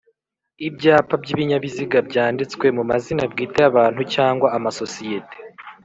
Ibyapa by ibinyabiziga byanditswe mu mazina bwite y abantu cyangwa amasosiyete